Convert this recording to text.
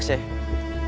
terima kasih banyak